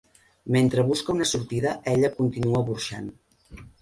Mentre busca una sortida ella continua burxant.